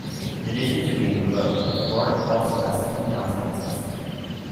In addition to being a verb, abort also has two noun senses.